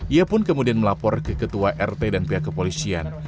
ia pun kemudian melapor ke ketua rt dan pihak kepolisian